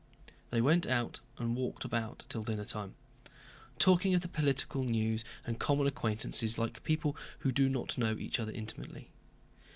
They went out and walked about till dinnertime, talking of the political news and common acquaintances like people who do not know each other intimately.